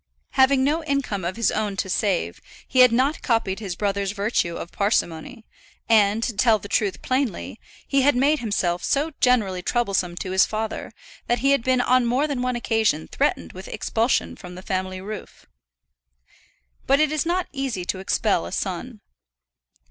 Having no income of his own to save, he had not copied his brother's virtue of parsimony; and, to tell the truth plainly, had made himself so generally troublesome to his father, that he had been on more than one occasion threatened with expulsion from the family roof. But it is not easy to expel a son.